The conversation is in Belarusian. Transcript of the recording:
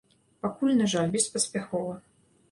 Пакуль, на жаль, беспаспяхова.